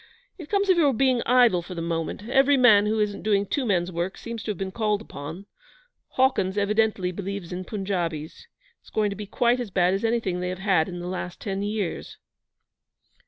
It comes of your being idle for the moment. Every man who isn't doing two men's work seems to have been called upon. Hawkins evidently believes in Punjabis. It's going to be quite as bad as anything they have had in the last ten years.'